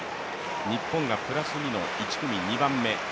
日本がプラス２の１組、２番目。